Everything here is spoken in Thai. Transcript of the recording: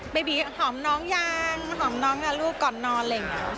บีบีหอมน้องยังหอมน้องลูกก่อนนอนอะไรอย่างนี้